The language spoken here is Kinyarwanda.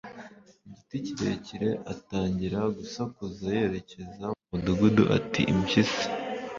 igiti kirekire, atangira gusakuza yerekeza mu mudugudu ati impyisi